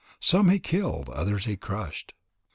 Some he killed, others he crushed.